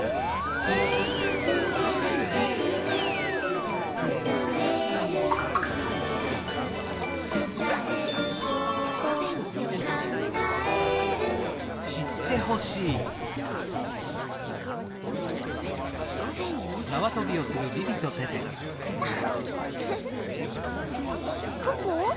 「えるえるえるえる」「つたえる」「つたえる方法」「かんがえる」ポポ？